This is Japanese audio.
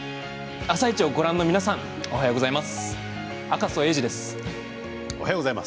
「あさイチ」をご覧の皆さんおはようございます。